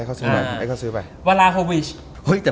วาลาโฮวิช